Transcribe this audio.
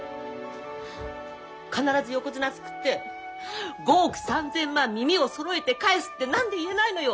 必ず横綱作って５億３，０００万耳をそろえて返すって何で言えないのよ！